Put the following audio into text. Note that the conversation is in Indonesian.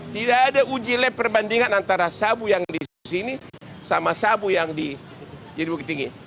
tidak ada uji lab perbandingan antara sabu yang di sini sama sabu yang jadi bukit tinggi